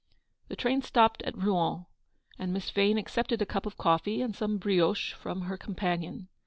The train stopped at Rouen, and Miss Vane accepted a cup of coffee and some brioches from her companion.